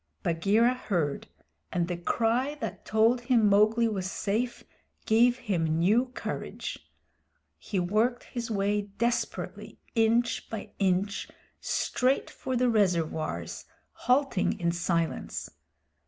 Bagheera heard, and the cry that told him Mowgli was safe gave him new courage. He worked his way desperately, inch by inch, straight for the reservoirs, halting in silence.